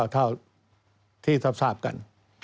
เท่าที่ทรัพย์ทราบกัน